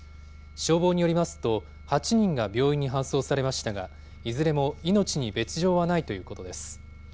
消防によりますと、８人が病院に搬送されましたが、いずれも命に別状はないということです。